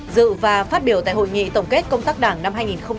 dự và phát biểu tại hội nghị tổng kết công tác đảng năm hai nghìn hai mươi ba